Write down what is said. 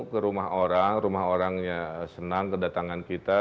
ke rumah orang rumah orangnya senang kedatangan kita